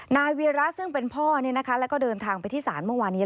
นายเวียระซึ่งเป็นพ่อแล้วก็เดินทางไปที่ศาลเมื่อวานนี้